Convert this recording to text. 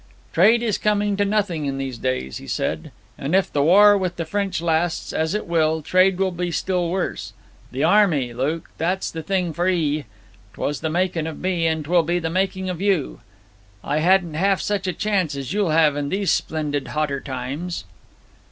'Trade is coming to nothing in these days,' he said. 'And if the war with the French lasts, as it will, trade will be still worse. The army, Luke that's the thing for 'ee. 'Twas the making of me, and 'twill be the making of you. I hadn't half such a chance as you'll have in these splendid hotter times.'